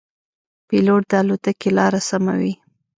پیلوټ د الوتکې لاره سموي.